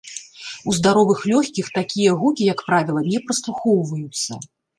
У здаровых лёгкіх такія гукі, як правіла, не праслухоўваюцца.